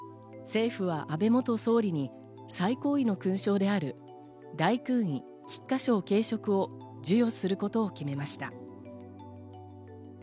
政府は安倍元総理に最高位の勲章である大勲位菊花章頸飾を授与することを決めました。